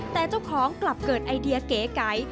แต่เจ้าของกลับเกิดไอเดียเก๋ไก๋